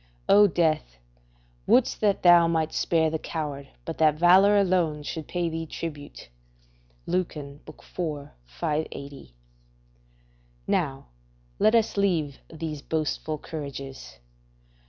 ["O death! wouldst that thou might spare the coward, but that valour alone should pay thee tribute." Lucan, iv. 580.] Now, let us leave these boastful courages.